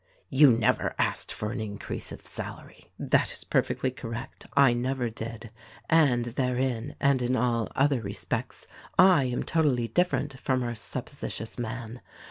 "You never asked for an increase of salary." "That is perfectly correct, I never did. And therein, and in all other respects, I am totally different from our sup positious man.